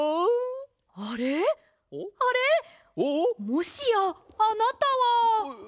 もしやあなたは。